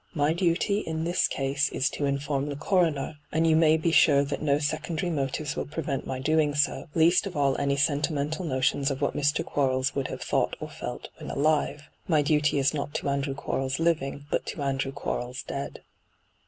' My duty in this case is to inform the coroner, and you may be sure that no secondary motives will prevent my doing so, least of all any senti mental notions of what Mr. Quarles would have thought or felt when alive. My duty is not to Andrew Quarles living, but to Andrew Quarles dead.'